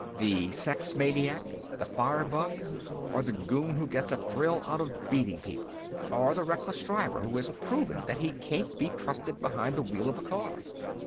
The sex maniac, the firebug, or the goon who gets a thrill out of beating people. Or the reckless driver who has proven that he can't be trusted behind the wheel of a car.